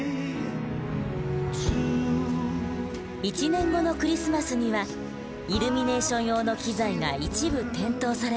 １年後のクリスマスにはイルミネーション用の機材が一部点灯されました。